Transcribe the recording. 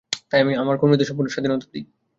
তাই আমি আমার কর্মীদের সম্পূর্ণ স্বাধীনতা দিই।